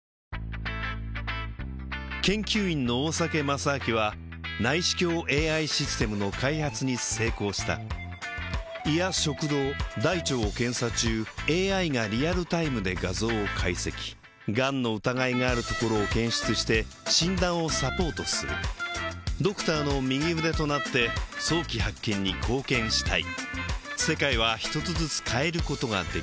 研究員の大酒正明は内視鏡ＡＩシステムの開発に成功した胃や食道大腸を検査中ＡＩがリアルタイムで画像を解析がんの疑いがあるところを検出して診断をサポートするドクターの右腕となって早期発見に貢献したい